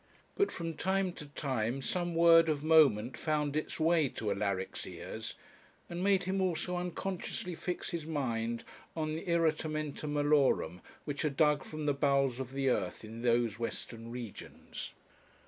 But from time to time, some word of moment found its way to Alaric's ears, and made him also unconsciously fix his mind on the irritamenta malorum, which are dug from the bowels of the earth in those western regions.